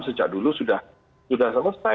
sejak dulu sudah selesai